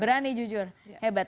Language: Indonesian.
berani jujur hebat